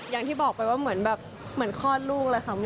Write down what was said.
อย่างที่บอกไปว่าเหมือนคลอดลูกเลยค่ะ